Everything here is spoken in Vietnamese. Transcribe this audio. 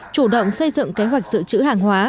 chủ động xây dựng kế hoạch dự trữ hàng hóa